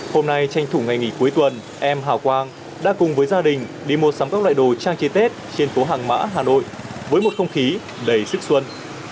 hôm nay tranh thủ ngày nghỉ cuối tuần em hảo quang đã cùng với gia đình đi mua sắm các loại đồ trang trí tết trên phố hàng mã hà nội với một không khí đầy sức xuân